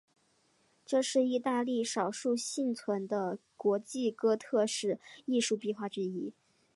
这是意大利少数幸存的国际哥特式艺术壁画之一。